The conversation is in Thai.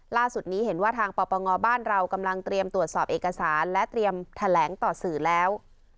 ล่าสุดนี้เห็นว่าทางปปงบ้านเรากำลังเตรียมตรวจสอบเอกสารและเตรียมแถลงต่อสื่อแล้ว